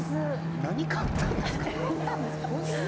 何買ったんですか？